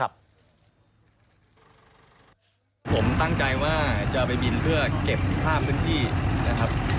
ผมตั้งใจว่าจะไปบินเพื่อเก็บภาพพื้นที่นะครับ